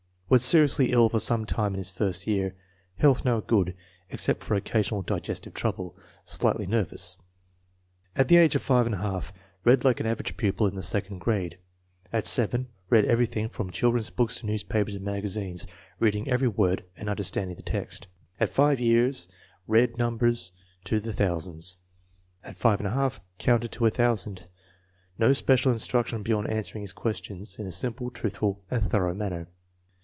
Was seriously ill for some time in his first year. Health now good, except for occasional digestive trouble. Slightly nervous. At the age of 5j read like an average pupil in the second grade. At 7 read everything from children's books to newspapers and magazines, reading every FORTY ONE SUPERIOR CHILDREN 199 word and understanding the text. At 5 years read numbers to the thousands. At 5j counted to a thou sand. No special instruction beyond answering his questions in a simple, truthful and thorough manner.